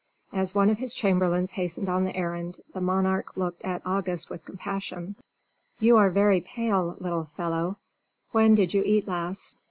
As one of his chamberlains hastened on the errand, the monarch looked at August with compassion. "You are very pale, little fellow: when did you eat last?"